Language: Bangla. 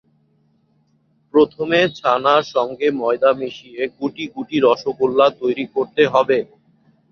প্রথমে ছানার সঙ্গে ময়দা মিশিয়ে গুটি গুটি রসগোল্লা তৈরি করতে হবে।